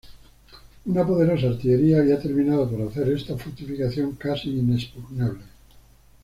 Una poderosa artillería había terminado por hacer esta fortificación casi inexpugnable.